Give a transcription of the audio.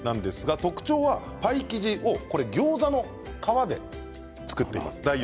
特徴はパイ生地をギョーザの皮で作っています。